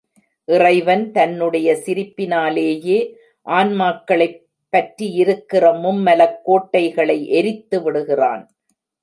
இறைவன் தன்னுடைய சிரிப்பினாலேயே ஆன்மாக்களைப் பற்றியிருக்கிற மும்மலக் கோட்டைகளை எரித்துவிடுகிறான்.